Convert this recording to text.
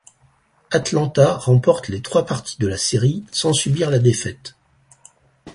Atlanta remporte les trois parties de la série sans subir la défaite.